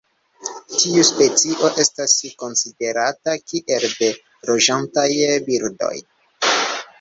Tiu specio estas konsiderata kiel de loĝantaj birdoj.